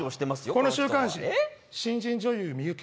この週刊誌、新人女優ミユキ。